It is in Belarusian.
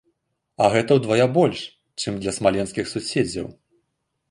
А гэта ўдвая больш, чым для смаленскіх суседзяў.